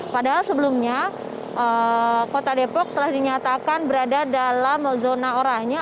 padahal sebelumnya kota depok telah dinyatakan berada dalam zona oranya